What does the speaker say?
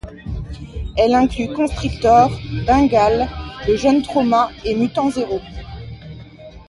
Elle inclut Constrictor, Bengale, le jeune Trauma et Mutant Zéro.